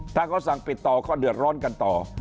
ถ้าเขาสั่งปิดต่อก็เดือดร้อนกันต่อ